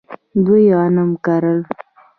دوی غنم کرل.